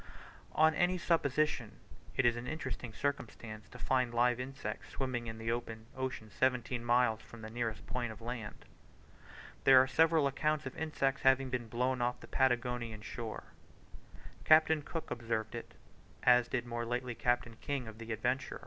On any supposition it is an interesting circumstance to find live insects swimming in the open ocean seventeen miles from the nearest point of land. There are several accounts of insects having been blown off the Patagonian shore. Captain Cook observed it, as did more lately Captain King of the Adventure.